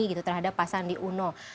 apakah itu ada yang membuat anda tertarik